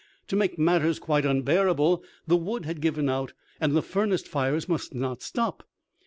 To make matters quite unbearable, the wood had given out, and the furnace fires must not stop.